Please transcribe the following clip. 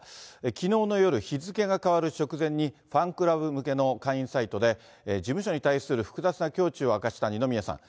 きのうの夜、日付が変わる直前に、ファンクラブ向けの会員サイトで、事務所に対する複雑な胸中を明かした二宮さん。